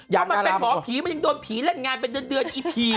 อยากดารามันก็มันเป็นหมอผีมันยังโดนผีเล่นงานไปเดือนอีผี